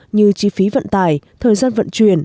như chi phí vận tải thời gian vận chuyển